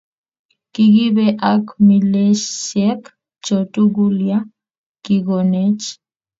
kikibe ak milesiek cho tugul ya kikonech